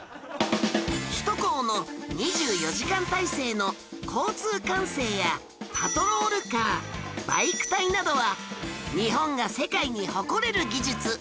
首都高の２４時間体制の交通管制やパトロールカーバイク隊などは日本が世界に誇れる技術